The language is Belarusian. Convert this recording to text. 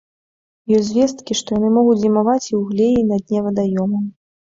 Ёсць звесткі, што яны могуць зімаваць і ў глеі на дне вадаёмаў.